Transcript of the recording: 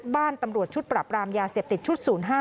บ้านตำรวจชุดปรับรามยาเสพติดชุด๐๕